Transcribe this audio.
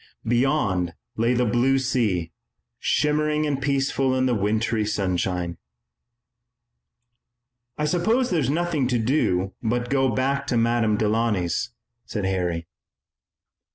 Beyond lay the blue sea, shimmering and peaceful in the wintry sunshine. "I suppose there is nothing to do but go back to Madame Delaunay's," said Harry.